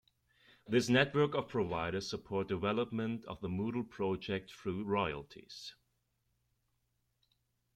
This network of providers support development of the Moodle project through royalties.